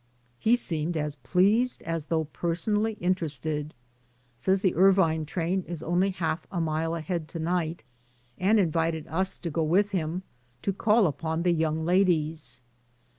He seemed as pleased as though personally interested. DAYS ON THE ROAD. 105 Says the Irvine train is only half a mile ahead to night, and invited us to go v^ith him to call upon the young ladies.